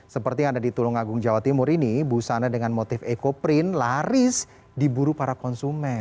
seperti yang ada di tulungagung jawa timur ini busana dengan motif ecoprint laris diburu para konsumen